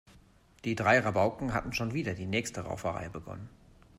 Die drei Rabauken hatten schon wieder die nächste Rauferei begonnen.